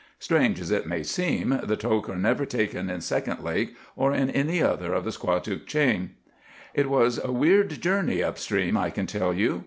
Strange as it may seem, the togue are never taken in Second Lake, or in any other of the Squatook chain. "It was a weird journey up stream, I can tell you.